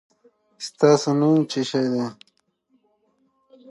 که ملاتړ وي نو هنرمند نه نهیلی کیږي.